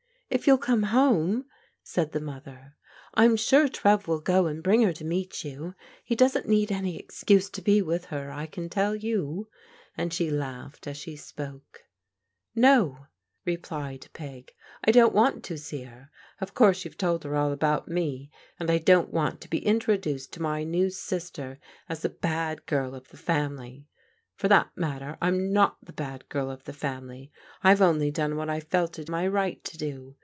"If you'll come home," said the mother, " I'm sure Trev will go and bring her to meet you. He doesn't need any excuse to be with her, I can tell you," and she laughed as she spoke. "No," replied P^, "I don't want to see her. Of course you've told her all about me, and I don't want to be introduced to my new sister as the bad girl of the family. For that matter, I'm not the bad girl of the family. I've only done what I fdt it my right to do.